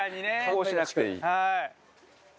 こうしなくていい。